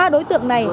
ba đối tượng này